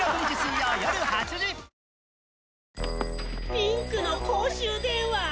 ピンクの公衆電話！